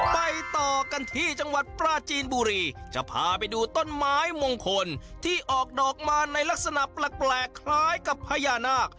ไปต่อกันที่จังหวัดปราจีนบุรีจะพาไปดูต้นไม้มงคลที่ออกดอกมาในลักษณะแปลกคล้ายกับพญานาค